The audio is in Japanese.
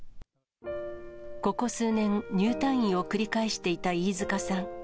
ここ数年、入退院を繰り返していた飯塚さん。